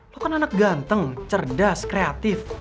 lo kan anak ganteng cerdas kreatif